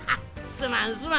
すまんすまん。